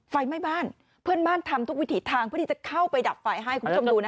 ไฟไหม้บ้านเพื่อนบ้านทำทุกวิถีทางเพื่อที่จะเข้าไปดับไฟให้คุณผู้ชมดูนะ